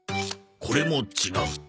これも違う。